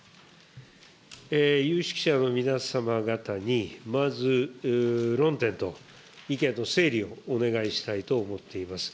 有識者の皆様方に、まず論点と意見と整理をお願いしたいと思っています。